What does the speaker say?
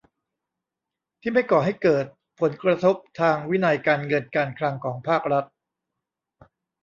ที่ไม่ก่อให้เกิดผลกระทบทางวินัยการเงินการคลังของภาครัฐ